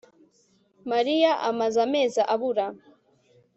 Mariya amaze amezi abura